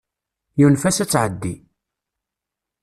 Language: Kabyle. Yunef-as ad tɛeddi.